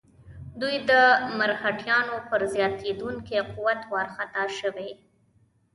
دوی د مرهټیانو پر زیاتېدونکي قوت وارخطا شوي.